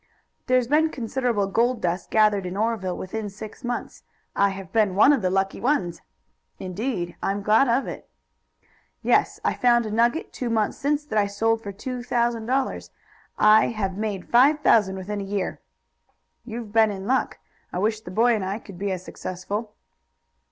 "There's been considerable gold dust gathered in Oreville within six months. I have been one of the lucky ones." "Indeed! I am glad of it." "Yes; I found a nugget two months since that I sold for two thousand dollars. I have made five thousand within a year." "You've been in luck. I wish the boy and I could be as successful."